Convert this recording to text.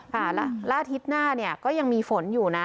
ค่ะแล้วอาทิตย์หน้าเนี่ยก็ยังมีฝนอยู่นะ